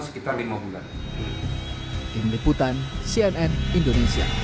sekitar lima bulan